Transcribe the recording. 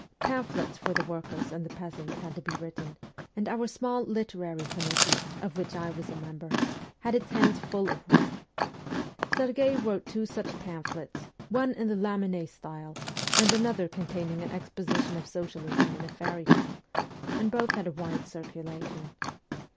Pamphlets for the workers and the peasants had to be written, and our small ' literary committee/ of which I was a member, had its hands full of work. Serghei wrote a couple of such pamphlets one in the Lamennais style, and another containing an exposition of socialism in a fairy tale and both had a wide circulation.